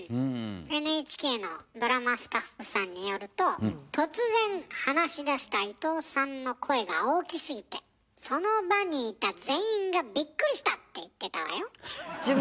ＮＨＫのドラマスタッフさんによると突然話しだした伊藤さんの声が大きすぎてその場にいた全員がビックリしたって言ってたわよ。